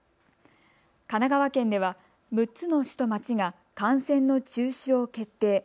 神奈川県では６つの市と町が観戦の中止を決定。